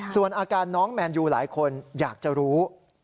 ส่วนอาการน้องแมนยูหลายคนอยากจะรู้